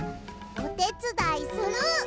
おてつだいする。